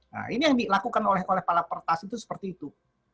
nah ini yang dilakukan oleh pala pertas itu seperti itu